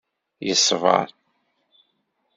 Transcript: Yeṣber.